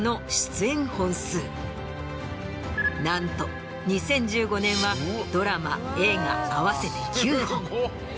なんと２０１５年はドラマ映画合わせて９本。